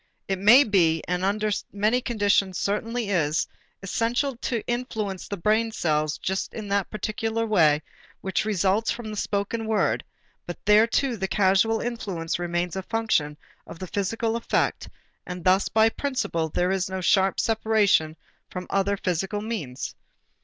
It may be, and under many conditions certainly is, essential to influence the brain cells just in that particular way which results from the spoken word, but there too the causal influence remains a function of the physical effect and thus by principle there is no sharp separation from other physical means.